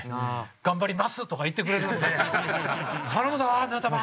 「頑張ります」とか言ってくれるので頼むぞヌートバー！